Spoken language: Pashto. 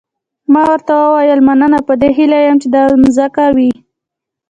ما ورته وویل مننه په دې هیله یم چې دا مځکه وي.